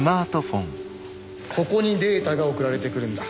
ここにデータが送られてくるんだ。